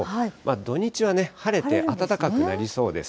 土日はね、晴れて暖かくなりそうです。